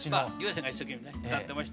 青が一生懸命ね歌ってました。